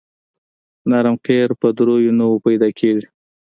نرم قیر په دریو نوعو پیدا کیږي